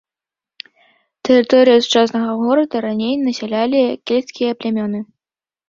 Тэрыторыю сучаснага горада раней насялялі кельцкія плямёны.